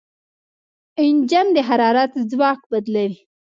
انجن د حرارت ځواک بدلوي.